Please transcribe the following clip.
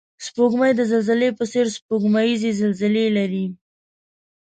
سپوږمۍ د زلزلې په څېر سپوږمیزې زلزلې لري